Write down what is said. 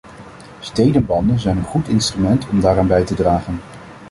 Stedenbanden zijn een goed instrument om daaraan bij te dragen.